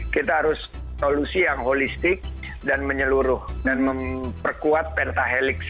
kita harus solusi yang holistik dan menyeluruh dan memperkuat pertahelix